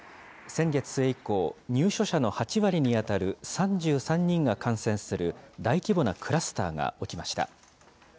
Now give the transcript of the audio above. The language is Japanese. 先月末以降、入所者の８割に当たる３３人が感染する、大規模なクラスターが起きました。